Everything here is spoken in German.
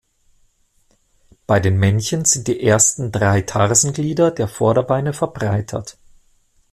Bei den Männchen sind die ersten drei Tarsenglieder der Vorderbeine verbreitert.